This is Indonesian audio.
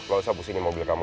gak usah pusingin mobil kamu